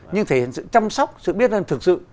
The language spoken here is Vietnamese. nhưng thể hiện sự chăm sóc sự biết ơn thực sự